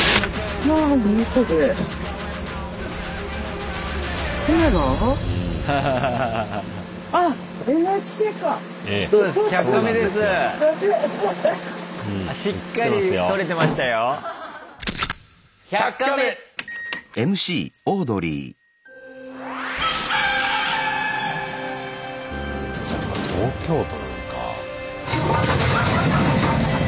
うんそっか東京都なのか。